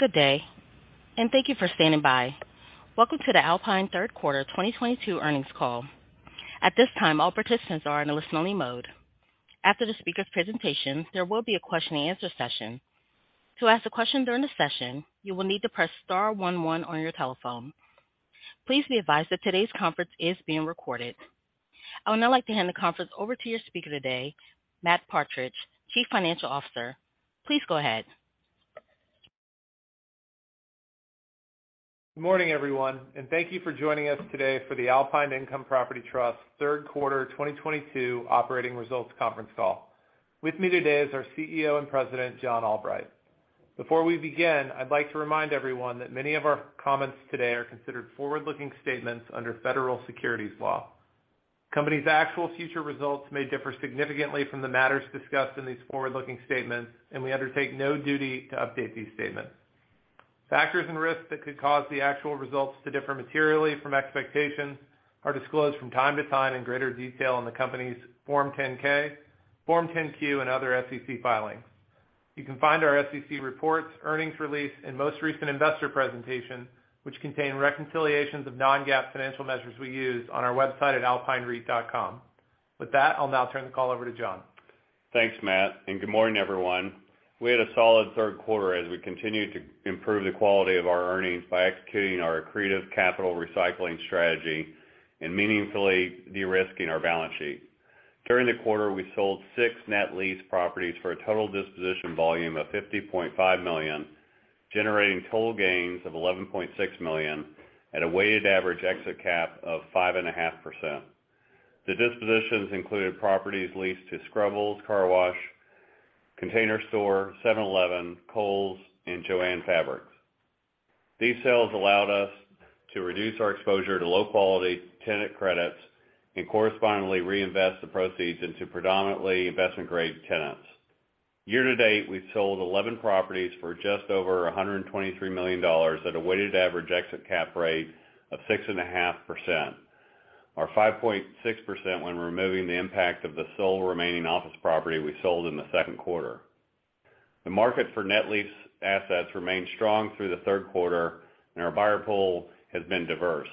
Good day, and thank you for standing by. Welcome to the Alpine Q3 2022 earnings call. At this time, all participants are in a listen-only mode. After the speaker's presentation, there will be a question-and-answer session. To ask a question during the session, you will need to press star 1 1 on your telephone. Please be advised that today's conference is being recorded. I would now like to hand the conference over to your speaker today, Matthew Partridge, Chief Financial Officer. Please go ahead. Good morning, everyone, and thank you for joining us today for the Alpine Income Property Trust Q3 2022 operating results conference call. With me today is our CEO and President, John Albright. Before we begin, I'd like to remind everyone that many of our comments today are considered forward-looking statements under federal securities law. Company's actual future results may differ significantly from the matters discussed in these forward-looking statements, and we undertake no duty to update these statements. Factors and risks that could cause the actual results to differ materially from expectations are disclosed from time to time in greater detail in the company's Form 10-K, Form 10-Q, and other SEC filings. You can find our SEC reports, earnings release, and most recent investor presentation, which contain reconciliations of non-GAAP financial measures we use on our website at alpinereit.com. With that, I'll now turn the call over to John. Thanks, Matt, and good morning, everyone. We had a solid Q3 as we continued to improve the quality of our earnings by executing our accretive capital recycling strategy and meaningfully de-risking our balance sheet. During the quarter, we sold 6 net lease properties for a total disposition volume of $50.5 million, generating total gains of $11.6 million at a weighted average exit cap of 5.5%. The dispositions included properties leased to Scrubbles Car Wash, Container Store, 7-Eleven, Kohl's, and JOANN. These sales allowed us to reduce our exposure to low-quality tenant credits and correspondingly reinvest the proceeds into predominantly investment-grade tenants. Year to date, we've sold 11 properties for just over $123 million at a weighted average exit cap rate of 6.5%, or 5.6% when removing the impact of the sole remaining office property we sold in the Q2. The market for net lease assets remained strong through the Q3, and our buyer pool has been diverse.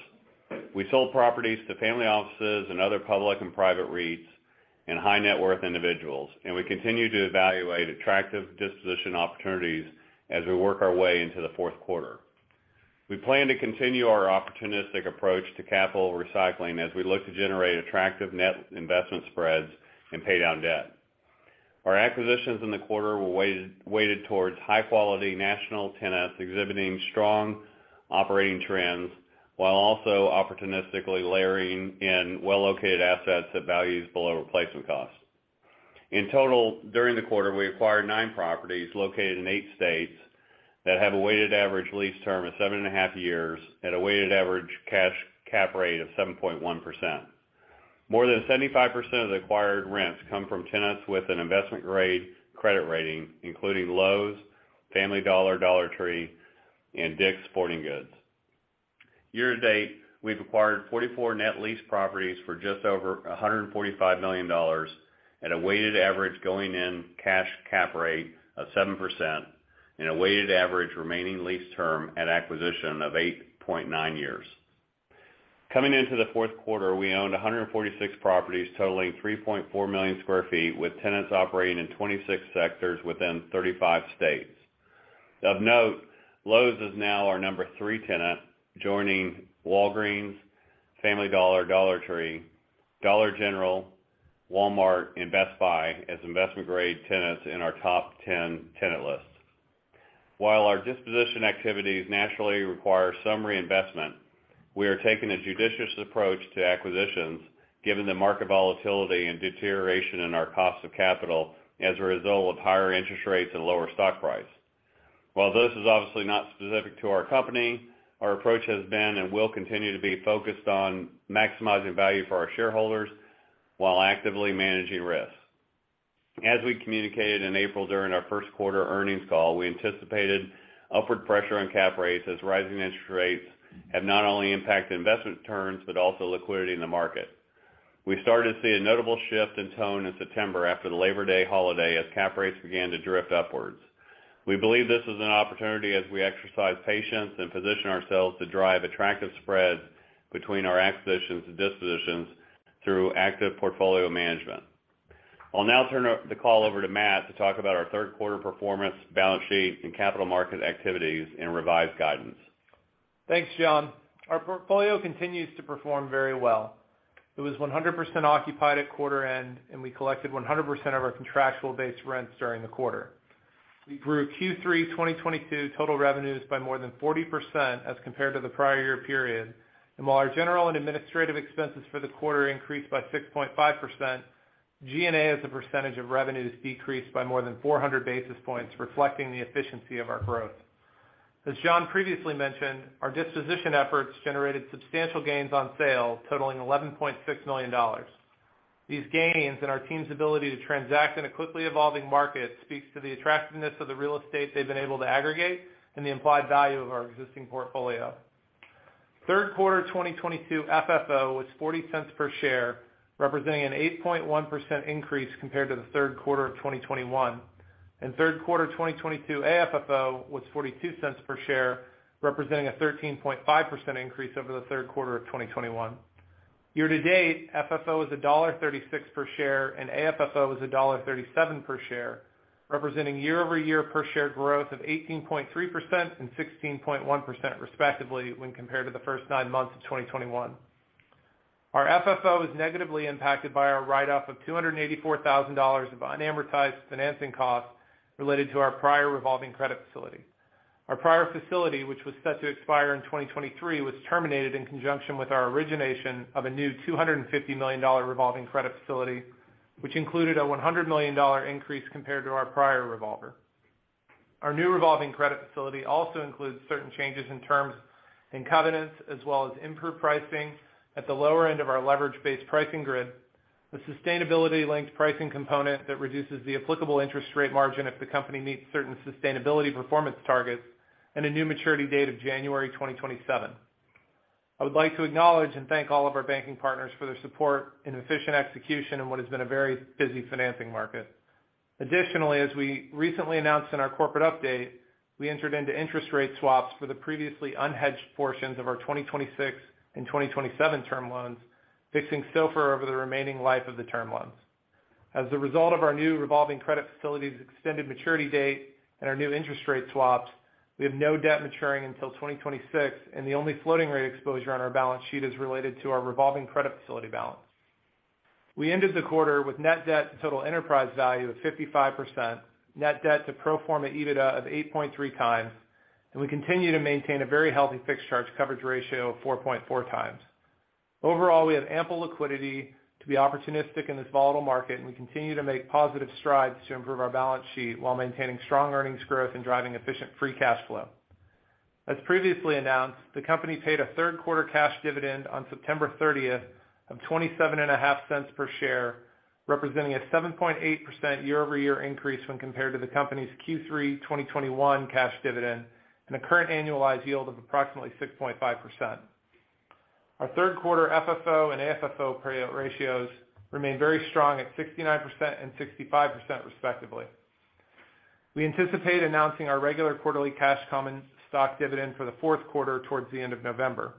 We sold properties to family offices and other public and private REITs and high net worth individuals, and we continue to evaluate attractive disposition opportunities as we work our way into the Q4. We plan to continue our opportunistic approach to capital recycling as we look to generate attractive net investment spreads and pay down debt. Our acquisitions in the quarter were weighted towards high-quality national tenants exhibiting strong operating trends while also opportunistically layering in well-located assets at values below replacement costs. In total, during the quarter, we acquired 9 properties located in 8 states that have a weighted average lease term of 7.5 years at a weighted average cash cap rate of 7.1%. More than 75% of the acquired rents come from tenants with an investment-grade credit rating, including Lowe's, Family Dollar / Dollar Tree, and Dick's Sporting Goods. Year to date, we've acquired 44 net lease properties for just over $145 million at a weighted average going in cash cap rate of 7% and a weighted average remaining lease term at acquisition of 8.9 years. Coming into the Q4, we owned 146 properties totaling 3.4 million sq ft, with tenants operating in 26 sectors within 35 states. Of note, Lowe's is now our number 3 tenant, joining Walgreens, Family Dollar / Dollar Tree, Dollar General, Walmart, and Best Buy as investment-grade tenants in our top 10 tenant list. While our disposition activities naturally require some reinvestment, we are taking a judicious approach to acquisitions given the market volatility and deterioration in our cost of capital as a result of higher interest rates and lower stock price. While this is obviously not specific to our company, our approach has been and will continue to be focused on maximizing value for our shareholders while actively managing risks. As we communicated in April during our Q1 earnings call, we anticipated upward pressure on cap rates as rising interest rates have not only impacted investment returns but also liquidity in the market. We started to see a notable shift in tone in September after the Labor Day holiday as cap rates began to drift upwards. We believe this is an opportunity as we exercise patience and position ourselves to drive attractive spreads between our acquisitions and dispositions through active portfolio management. I'll now turn the call over to Matt to talk about our Q3 performance, balance sheet, and capital market activities and revised guidance. Thanks, John. Our portfolio continues to perform very well. It was 100% occupied at quarter end, and we collected 100% of our contractual base rents during the quarter. We grew Q3 2022 total revenues by more than 40% as compared to the prior year period. While our general and administrative expenses for the quarter increased by 6.5%, G&A as a percentage of revenues decreased by more than 400 basis points, reflecting the efficiency of our growth. As John previously mentioned, our disposition efforts generated substantial gains on sale totaling $11.6 million. These gains and our team's ability to transact in a quickly evolving market speaks to the attractiveness of the real estate they've been able to aggregate and the implied value of our existing portfolio. Q3 2022 FFO was $0.40 per share, representing an 8.1% increase compared to the Q3 of 2021. Q3 2022 AFFO was $0.42 per share, representing a 13.5% increase over the Q3 of 2021. Year to date, FFO is $1.36 per share, and AFFO is $1.37 per share, representing year-over-year per share growth of 18.3% and 16.1% respectively when compared to the first 9 months of 2021. Our FFO was negatively impacted by our write off of $284,000 of unamortized financing costs related to our prior revolving credit facility. Our prior facility, which was set to expire in 2023, was terminated in conjunction with our origination of a new $250 million revolving credit facility, which included a $100 million increase compared to our prior revolver. Our new revolving credit facility also includes certain changes in terms and covenants as well as improved pricing at the lower end of our leverage-based pricing grid, a sustainability linked pricing component that reduces the applicable interest rate margin if the company meets certain sustainability performance targets, and a new maturity date of January 2027. I would like to acknowledge and thank all of our banking partners for their support and efficient execution in what has been a very busy financing market. Additionally, as we recently announced in our corporate update, we entered into interest rate swaps for the previously unhedged portions of our 2026 and 2027 term loans, fixing SOFR over the remaining life of the term loans. As a result of our new revolving credit facility's extended maturity date and our new interest rate swaps, we have no debt maturing until 2026, and the only floating rate exposure on our balance sheet is related to our revolving credit facility balance. We ended the quarter with net debt to total enterprise value of 55%, net debt to pro forma EBITDA of 8.3x, and we continue to maintain a very healthy fixed charge coverage ratio of 4.4x. Overall, we have ample liquidity to be opportunistic in this volatile market, and we continue to make positive strides to improve our balance sheet while maintaining strong earnings growth and driving efficient free cash flow. As previously announced, the company paid a Q3 cash dividend on September 30 of $0.275 per share, representing a 7.8% year-over-year increase when compared to the company's Q3 2021 cash dividend and a current annualized yield of approximately 6.5%. Our Q3 FFO and AFFO payout ratios remain very strong at 69% and 65% respectively. We anticipate announcing our regular quarterly cash common stock dividend for the Q4 towards the end of November.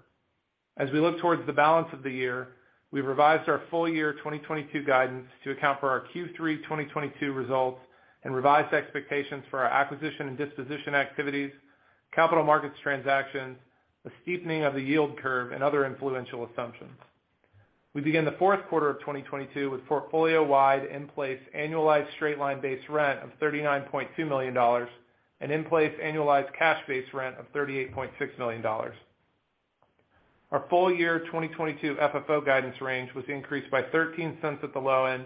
As we look towards the balance of the year, we've revised our full year 2022 guidance to account for our Q3 2022 results and revised expectations for our acquisition and disposition activities, capital markets transactions, the steepening of the yield curve, and other influential assumptions. We begin the Q4 of 2022 with portfolio-wide in place annualized straight line base rent of $39.2 million and in place annualized cash base rent of $38.6 million. Our full year 2022 FFO guidance range was increased by $0.13 at the low end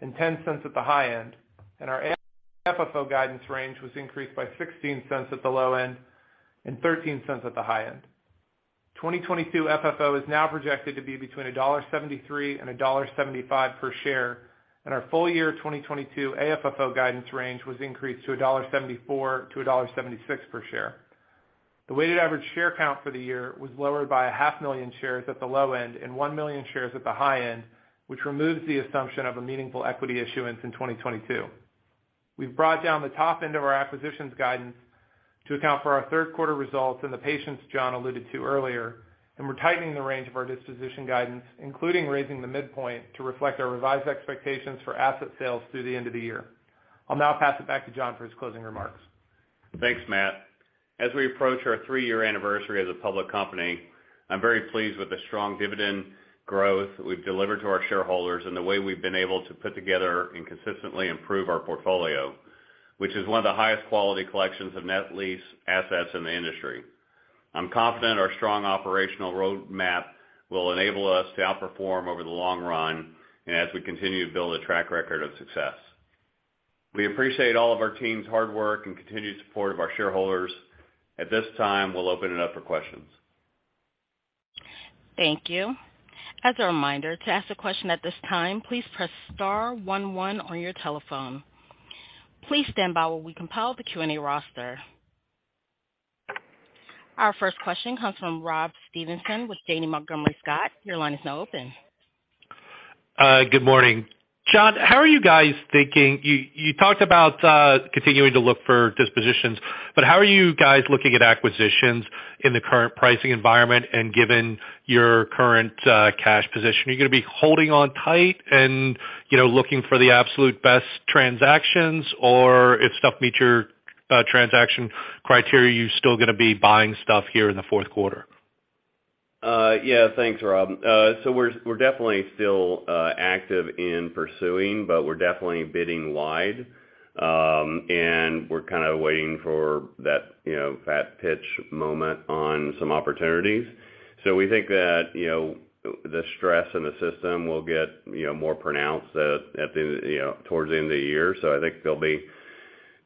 and $0.10 at the high end, and our AFFO guidance range was increased by $0.16 at the low end and $0.13 at the high end. 2022 FFO is now projected to be between $1.73 and $1.75 per share, and our full year 2022 AFFO guidance range was increased to $1.74-$1.76 per share. The weighted average share count for the year was lowered by 500,000 shares at the low end and 1,000,000 shares at the high end, which removes the assumption of a meaningful equity issuance in 2022. We've brought down the top end of our acquisitions guidance to account for our Q3 results and the patience John alluded to earlier, and we're tightening the range of our disposition guidance, including raising the midpoint to reflect our revised expectations for asset sales through the end of the year. I'll now pass it back to John for his closing remarks. Thanks, Matt. As we approach our 3-year anniversary as a public company, I'm very pleased with the strong dividend growth we've delivered to our shareholders and the way we've been able to put together and consistently improve our portfolio, which is one of the highest quality collections of net lease assets in the industry. I'm confident our strong operational roadmap will enable us to outperform over the long run and as we continue to build a track record of success. We appreciate all of our team's hard work and continued support of our shareholders. At this time, we'll open it up for questions. Thank you. As a reminder, to ask a question at this time, please press star 1 1on your telephone. Please stand by while we compile the Q&A roster. Our first question comes from Robert Stevenson with Janney Montgomery Scott. Your line is now open. Good morning. John, how are you guys thinking? You talked about continuing to look for dispositions, but how are you guys looking at acquisitions in the current pricing environment and given your current cash position? Are you gonna be holding on tight and, you know, looking for the absolute best transactions? Or if stuff meets your transaction criteria, are you still gonna be buying stuff here in the Q4? Yeah. Thanks, Rob. We're definitely still active in pursuing, but we're definitely bidding wide. We're kind of waiting for that, you know, fast pitch moment on some opportunities. We think that, you know, the stress in the system will get, you know, more pronounced at the end, you know, towards the end of the year. I think there'll be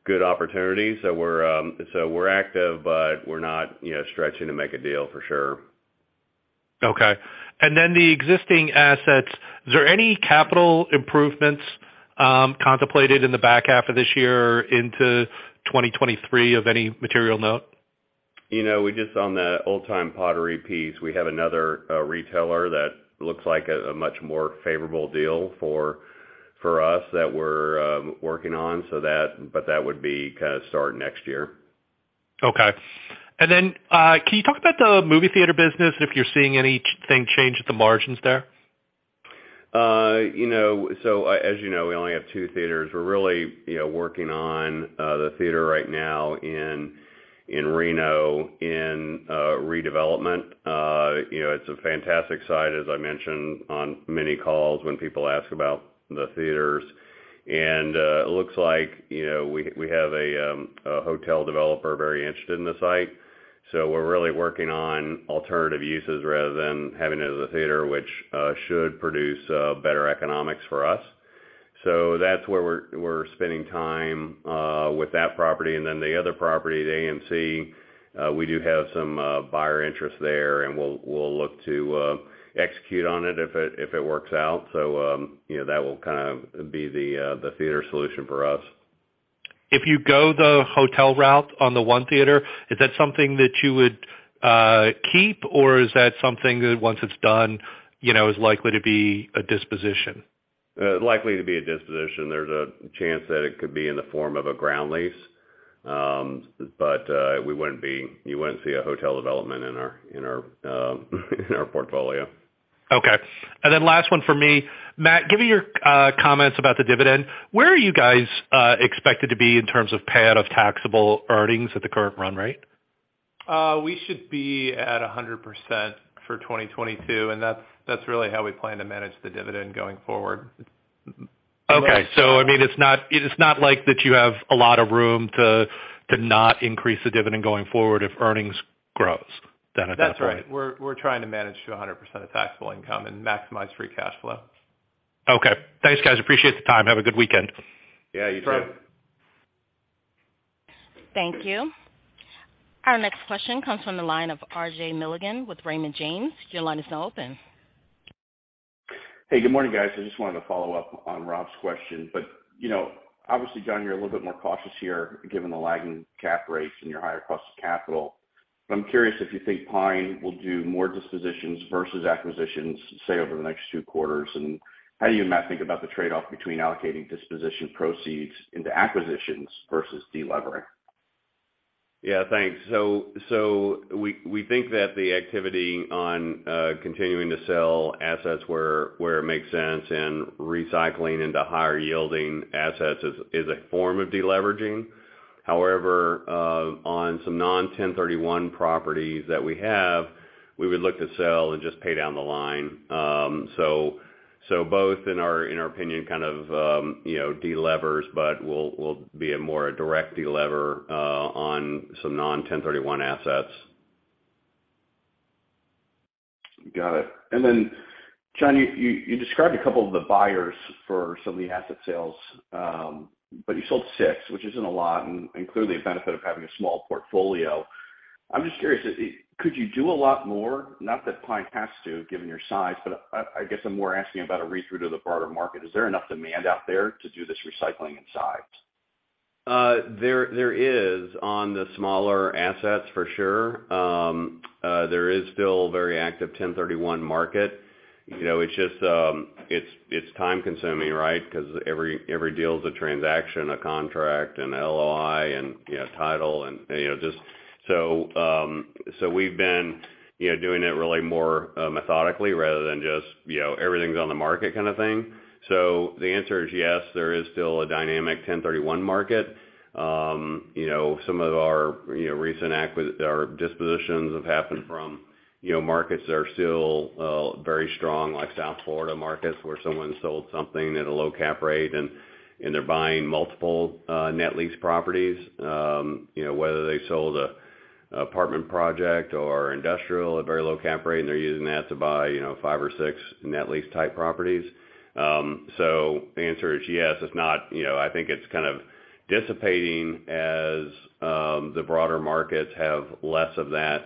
good opportunities. We're active, but we're not, you know, stretching to make a deal for sure. Okay. The existing assets, is there any capital improvements contemplated in the back half of this year into 2023 of any material note? You know, we just on the Old Time Pottery piece, we have another retailer that looks like a much more favorable deal for us that we're working on. That would be kind of starting next year. Okay. Can you talk about the movie theater business, if you're seeing anything change at the margins there? You know, as you know, we only have 2 theaters. We're really, you know, working on the theater right now in Reno in redevelopment. You know, it's a fantastic site, as I mentioned on many calls when people ask about the theaters. It looks like, you know, we have a hotel developer very interested in the site. We're really working on alternative uses rather than having it as a theater, which should produce better economics for us. That's where we're spending time with that property. Then the other property, the AMC, we do have some buyer interest there, and we'll look to execute on it if it works out. You know, that will kind of be the theater solution for us. If you go the hotel route on the 1 theater, is that something that you would keep, or is that something that once it's done, you know, is likely to be a disposition? Likely to be a disposition. There's a chance that it could be in the form of a ground lease. You wouldn't see a hotel development in our portfolio. Okay. Last 1 for me. Matt, given your comments about the dividend, where are you guys expected to be in terms of payout of taxable earnings at the current run rate? We should be at 100% for 2022, and that's really how we plan to manage the dividend going forward. Okay. I mean, it's not like that you have a lot of room to not increase the dividend going forward if earnings grows, then is that right? That's right. We're trying to manage to 100% of taxable income and maximize free cash flow. Okay. Thanks, guys. Appreciate the time. Have a good weekend. Yeah, you too. Sure. Thank you. Our next question comes from the line of RJ Milligan with Raymond James. Your line is now open. Hey, good morning, guys. I just wanted to follow up on Rob's question. You know, obviously, John, you're a little bit more cautious here given the lagging cap rates and your higher cost of capital. I'm curious if you think Alpine will do more dispositions versus acquisitions, say, over the next 2 quarters? How do you and Matt think about the trade-off between allocating disposition proceeds into acquisitions versus de-levering? Yeah, thanks. We think that the activity on continuing to sell assets where it makes sense and recycling into higher yielding assets is a form of de-leveraging. However, on some non-1031 properties that we have, we would look to sell and just pay down the loan. Both in our opinion, kind of, you know, de-levers, but we'll be a more direct de-lever on some non-1031 assets. Got it. John, you described a couple of the buyers for some of the asset sales, but you sold 6, which isn't a lot, and clearly a benefit of having a small portfolio. I'm just curious, could you do a lot more? Not that Pine has to, given your size, but I guess I'm more asking about a read-through to the broader market. Is there enough demand out there to do this recycling in size? There is on the smaller assets for sure. There is still a very active 1031 market. You know, it's just it's time consuming, right? 'Cause every deal is a transaction, a contract, an LOI, and you know title and you know just. We've been you know doing it really more methodically rather than just you know everything's on the market kind of thing. The answer is yes, there is still a dynamic 1031 market. You know some of our you know recent acquisitions or dispositions have happened from you know markets that are still very strong, like South Florida markets, where someone sold something at a low cap rate and they're buying multiple net lease properties. You know, whether they sold an apartment project or industrial at very low cap rate, and they're using that to buy, you know, 5 or 6 net lease type properties. The answer is yes. It's not you know, I think it's kind of dissipating as the broader markets have less of that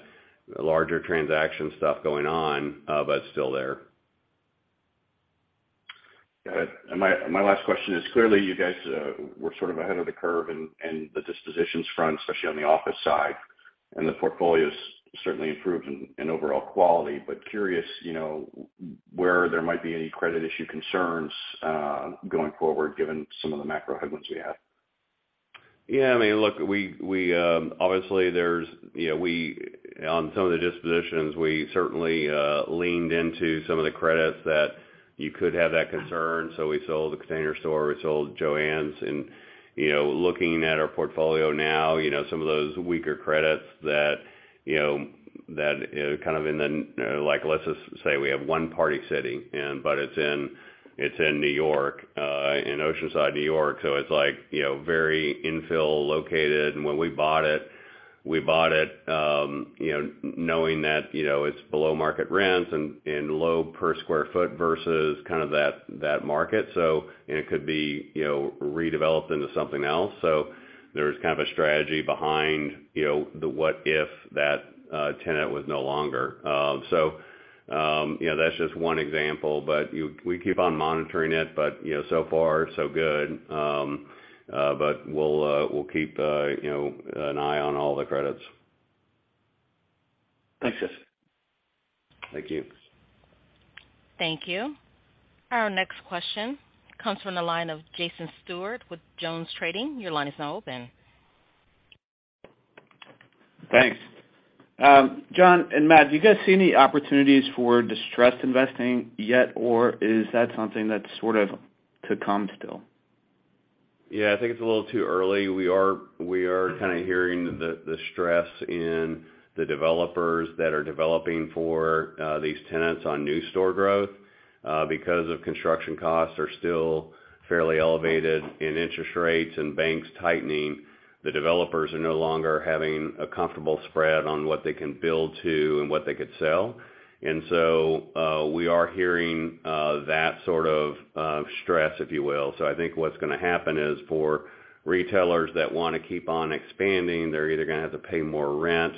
larger transaction stuff going on, but it's still there. Got it. My last question is, clearly you guys were sort of ahead of the curve in the dispositions front, especially on the office side, and the portfolio's certainly improved in overall quality. Curious, you know, where there might be any credit issue concerns going forward, given some of the macro headwinds we had. Yeah, I mean, look, we obviously, there's you know, on some of the dispositions, we certainly leaned into some of the credits that you could have that concern. We sold The Container Store, we sold Joann. You know, looking at our portfolio now, you know, some of those weaker credits that you know that kind of in the like let's just say we have 1 Party City in, but it's in New York, in Oceanside, New York. It's like, you know, very infill located. When we bought it, we bought it you know knowing that you know it's below market rents and low per square foot versus kind of that market. It could be, you know, redeveloped into something else. There was kind of a strategy behind, you know, the what if that tenant was no longer. That's just 1 example, we keep on monitoring it. You know, so far so good. We'll keep, you know, an eye on all the credits. Thanks, guys. Thank you. Thank you. Our next question comes from the line of Jason Stewart with JonesTrading. Your line is now open. Thanks. John and Matt, do you guys see any opportunities for distressed investing yet, or is that something that's sort of to come still? Yeah, I think it's a little too early. We are kind of hearing the stress in the developers that are developing for these tenants on new store growth because construction costs are still fairly elevated and interest rates and banks tightening. The developers are no longer having a comfortable spread on what they can build to and what they could sell. We are hearing that sort of stress if you will. I think what's gonna happen is for retailers that wanna keep on expanding, they're either gonna have to pay more rent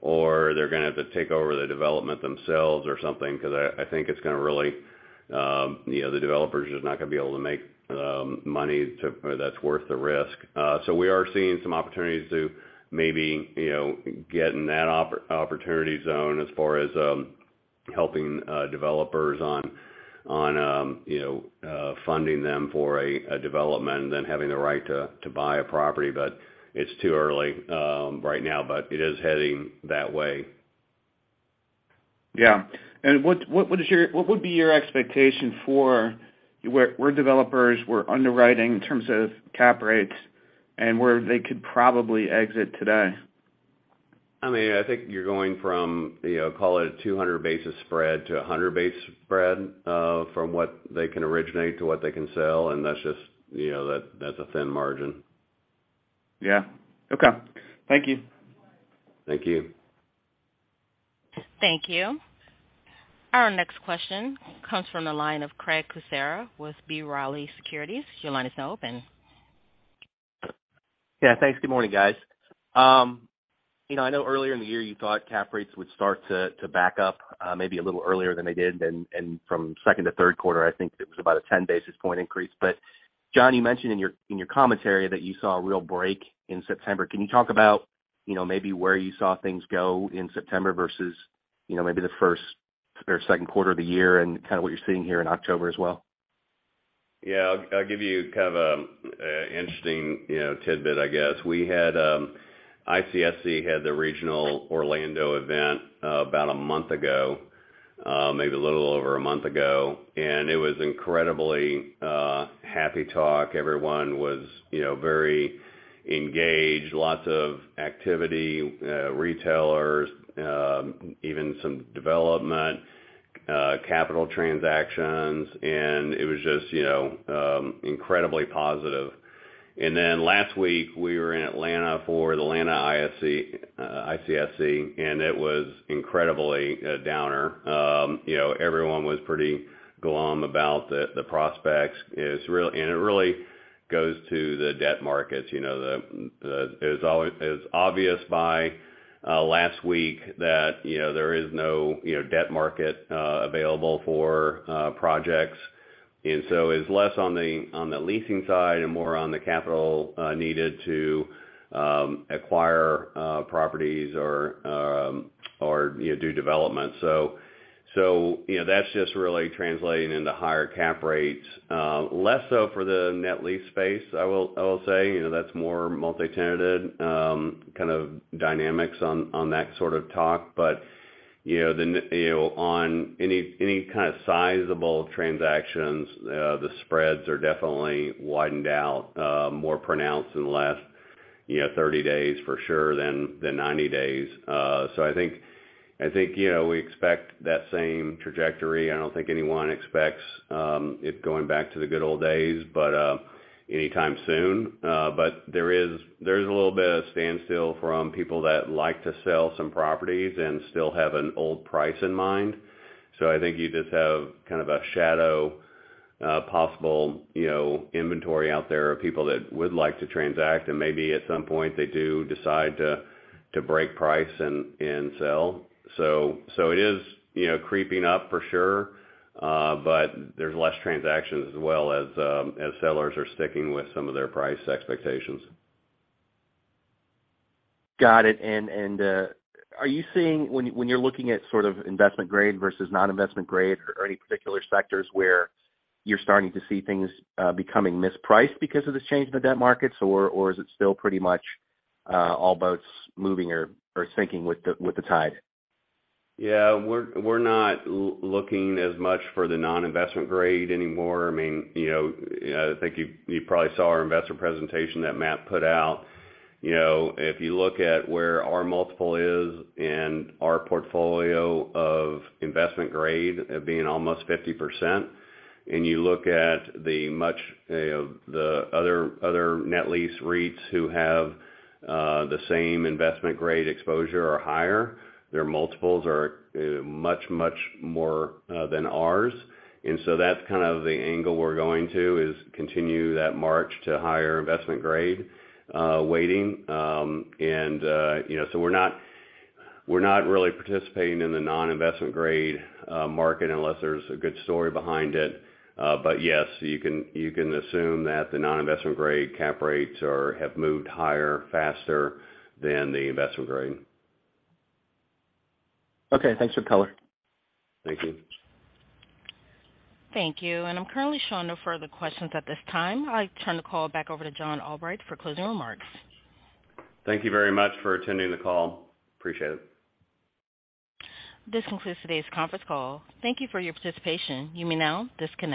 or they're gonna have to take over the development themselves or something, 'cause I think it's gonna really, you know, the developers are just not gonna be able to make money or that's worth the risk. We are seeing some opportunities to maybe, you know, get in that opportunity zone as far as helping developers on funding them for a development and then having the right to buy a property. It's too early right now, but it is heading that way. Yeah. What would be your expectation for where developers were underwriting in terms of cap rates and where they could probably exit today? I mean, I think you're going from, you know, call it a 200 basis spread to a 100 basis spread, from what they can originate to what they can sell, and that's just, you know, that's a thin margin. Yeah. Okay. Thank you. Thank you. Thank you. Our next question comes from the line of Craig Kucera with B. Riley Securities. Your line is now open. Yeah. Thanks. Good morning, guys. You know, I know earlier in the year you thought cap rates would start to back up maybe a little earlier than they did. From Q2-Q3, I think it was about a 10 basis point increase. John, you mentioned in your commentary that you saw a real break in September. Can you talk about, you know, maybe where you saw things go in September versus, you know, maybe the Q1 or Q2 of the year and kind of what you're seeing here in October as well? Yeah. I'll give you kind of interesting, you know, tidbit, I guess. ICSC had the regional Orlando event about a month ago, maybe a little over a month ago, and it was incredibly happy talk. Everyone was, you know, very engaged, lots of activity, retailers, even some development capital transactions, and it was just, you know, incredibly positive. We were in Atlanta for the Atlanta ICSC, and it was incredibly a downer. You know, everyone was pretty glum about the prospects. It really goes to the debt markets. You know, it was obvious by last week that, you know, there is no, you know, debt market available for projects. It's less on the leasing side and more on the capital needed to acquire properties or, you know, do development. You know, that's just really translating into higher cap rates. Less so for the net lease space, I will say. You know, that's more multi-tenanted kind of dynamics on that sort of talk. You know, on any kind of sizable transactions, the spreads are definitely widened out, more pronounced in the last, you know, 30 days for sure than 90 days. I think, you know, we expect that same trajectory. I don't think anyone expects it going back to the good old days, but anytime soon. there is a little bit of standstill from people that like to sell some properties and still have an old price in mind. I think you just have kind of a shadow possible, you know, inventory out there of people that would like to transact and maybe at some point they do decide to break price and sell. It is, you know, creeping up for sure. There's less transactions as well as as sellers are sticking with some of their price expectations. Got it. Are you seeing when you're looking at sort of investment grade versus non-investment grade or any particular sectors where you're starting to see things becoming mispriced because of this change in the debt markets? Or is it still pretty much all boats moving or sinking with the tide? Yeah. We're not looking as much for the non-investment grade anymore. I mean, you know, I think you probably saw our investor presentation that Matt put out. You know, if you look at where our multiple is and our portfolio of investment grade being almost 50%, and you look at the much, the other net lease REITs who have the same investment grade exposure or higher, their multiples are much, much more than ours. That's kind of the angle we're going to is continue that march to higher investment grade weighting. You know, we're not really participating in the non-investment grade market unless there's a good story behind it. But yes, you can assume that the non-investment grade cap rates have moved higher, faster than the investment grade. Okay. Thanks for the color. Thank you. Thank you. I'm currently showing no further questions at this time. I'll turn the call back over to John Albright for closing remarks. Thank you very much for attending the call. Appreciate it. This concludes today's conference call. Thank you for your participation. You may now disconnect.